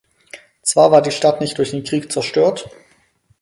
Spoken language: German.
Zwar war die Stadt nicht durch den Krieg zerstört.